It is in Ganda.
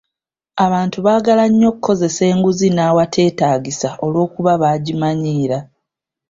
Abantu baagala nnyo okukozesa enguzi n’awateetaagisa olw'okuba baagimanyiira.